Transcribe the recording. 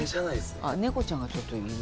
あ猫ちゃんがちょっといる。